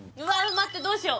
待ってどうしよう